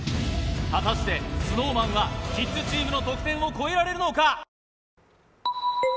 果たしてＳｎｏｗＭａｎはキッズチームの得点を超えられるのか？